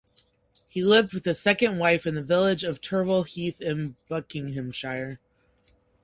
He lived with his second wife in the village of Turville Heath in Buckinghamshire.